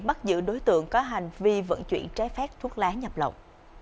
bắt giữ đối tượng có hành vi vận chuyển trái phép thuốc lá nhập lộng